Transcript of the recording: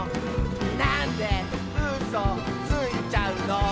「なんでうそついちゃうの」